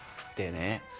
でね